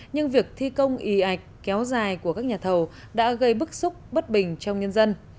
nhưng việc thi công y ạch kéo dài của các nhà thầu đã gây bức xúc bất bình trong nhân dân